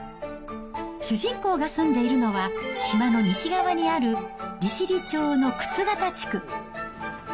主人公が住んでいるのは、島の西側にある利尻町の沓形地区。